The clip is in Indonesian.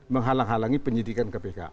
menghalang halangi penyidikan kpk